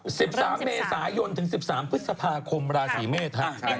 ราศีเมธเป็นยังไงบ้างครับราศีเมธ